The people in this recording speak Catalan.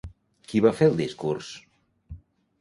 Qui va fer el discurs?